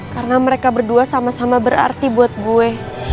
karena mereka berdua sama sama berarti buat gue